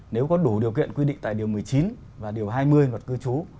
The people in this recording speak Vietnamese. nếu có đủ điều kiện quy định tại điều một mươi chín và điều hai mươi luật cư trú